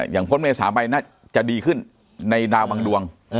อย่างพลเมษาไปน่าจะดีขึ้นในดาวบังดวง